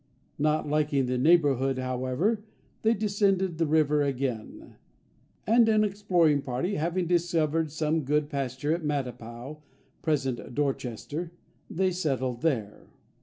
Not liking the neighbourhood, however, they descended the river again, and an exploring party having discovered some good pasture at Mattapau (present Dorchester) they settled there.